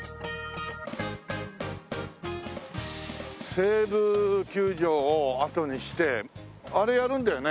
西武球場をあとにしてあれやるんだよね？